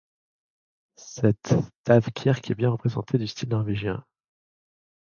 Cette stavkirke est bien représentative du style norvégien.